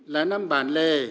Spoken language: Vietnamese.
là năm bản lề